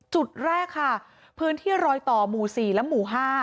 จุดแรกค่ะพื้นที่รอยต่อหมู่๔และหมู่๕